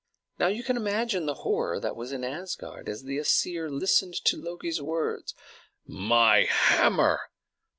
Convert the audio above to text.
Now you can imagine the horror that was in Asgard as the Æsir listened to Loki's words. "My hammer!"